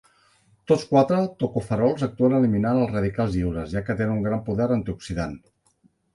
Tots quatre tocoferols actuen eliminant els radicals lliures, ja que tenen un gran poder antioxidant.